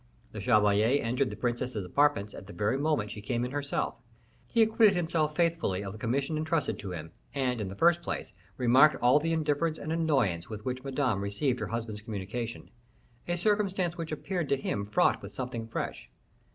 The chevalier entered the princess's apartments at the very moment she came in herself. He acquitted himself faithfully of the commission intrusted to him, and, in the first place, remarked all the indifference and annoyance with which Madame received her husband's communication a circumstance which appeared to him fraught with something fresh.